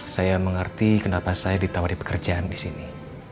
saya mengerti kenapa saya ditawari pekerjaan di sini